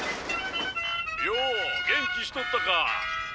よお元気しとったか。